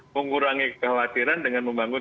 mengurangi kekhawatiran dengan membangun